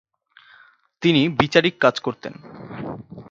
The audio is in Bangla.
তিনি বিচারিক কাজ করতেন।